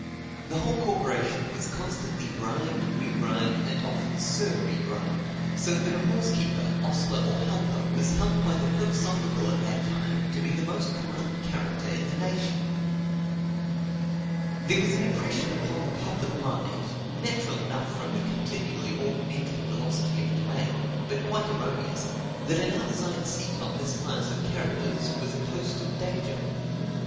The whole corporation was constantly bribed, rebribed, and often sur rebribed; so that a horse keeper, ostler, or helper, was held by the philosophical at that time to be the most corrupt character in the nation. There was an impression upon the public mind, natural enough from the continually augmenting velocity of the mail, but quite erroneous, that an outside seat on this class of carriages was a post of danger.